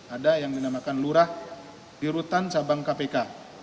ada yang dinamakan lurah di rutan cabang kpk